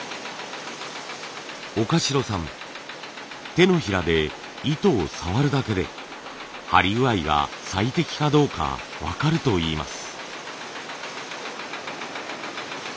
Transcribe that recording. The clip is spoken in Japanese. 手のひらで糸を触るだけで張り具合が最適かどうか分かるといいます。